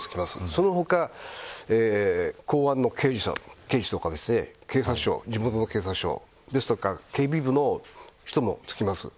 その他は公安の刑事さんとか地元の警察署ですとか警備部の人もつきます。